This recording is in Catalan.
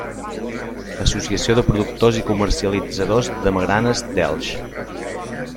Associació de Productors i Comercialitzadors de Magranes d'Elx.